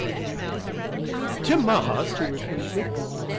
"To Mars!" he repeated.